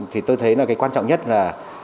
thì tôi thấy là cái quan trọng nhất là